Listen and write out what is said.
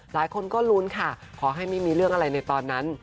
หลายคนก็ลุ้นค่ะขอให้ไม่มีเรื่องอะไรในตอนนั้น